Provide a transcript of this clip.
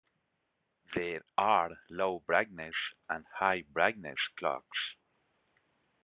There are low-brightness and high-brightness clocks.